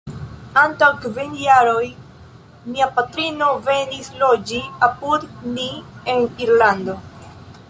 Antaŭ kvin jaroj mia patrino venis loĝi apud ni en Irlando.